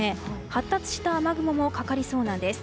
発達した雨雲もかかりそうなんです。